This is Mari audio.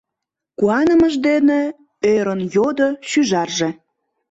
— куанымыж дене ӧрын йодо шӱжарже.